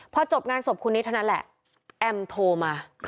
พอจบงานศพคนนี้เท่านั้นแหละแอมโทรมา